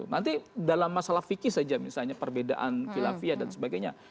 nanti dalam masalah fikih saja misalnya perbedaan kilafiyah dan sebagainya